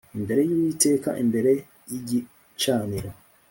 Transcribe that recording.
imbere y Uwiteka imbere y igicaniro